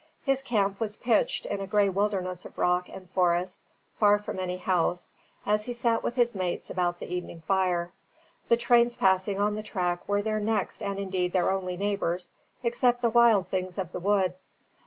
His camp was pitched in a grey wilderness of rock and forest, far from any house; as he sat with his mates about the evening fire, the trains passing on the track were their next and indeed their only neighbours, except the wild things of the wood.